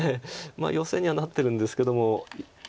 ヨセにはなってるんですけども。